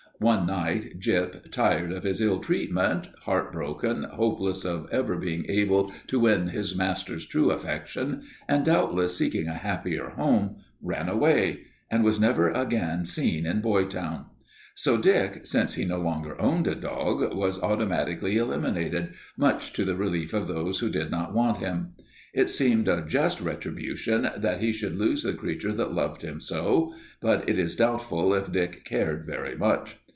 One night Gyp, tired of his ill treatment, heartbroken, hopeless of ever being able to win his master's true affection, and doubtless seeking a happier home, ran away and was never again seen in Boytown. So Dick, since he no longer owned a dog, was automatically eliminated, much to the relief of those who did not want him. It seemed a just retribution that he should lose the creature that loved him so, but it is doubtful if Dick cared very much.